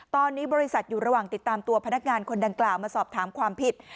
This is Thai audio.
ตอนนี้บริษัทอยู่ระหว่างติดตามตัวพนักงานคนดังกล่าวมาสอบถามความผิด